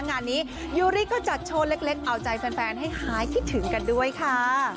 งานนี้ยูริก็จัดโชว์เล็กเอาใจแฟนให้หายคิดถึงกันด้วยค่ะ